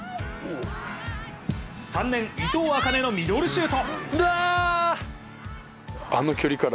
３年・伊藤朱音のミドルシュート。